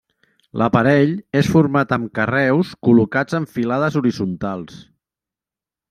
L'aparell és format amb carreus col·locats en filades horitzontals.